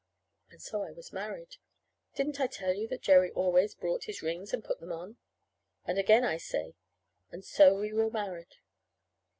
And so I was married. (Didn't I tell you that Jerry always brought his rings and put them on?) And again I say, and so we were married.